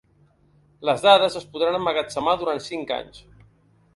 Les dades es podran emmagatzemar durant cinc anys.